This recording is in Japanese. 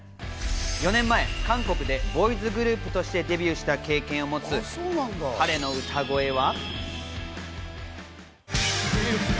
４年前、韓国でボーイズグループとしてデビューした経験を持つ彼の歌声は。